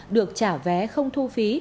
được trả vé không thu phí